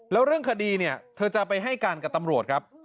แล้วเรื่องคดีเนี่ยเธอจะไปให้การกับตำรวจครับ